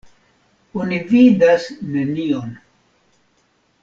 Oni vidas nenion.